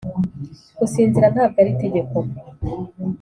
gusinzira ntabwo ari itegeko.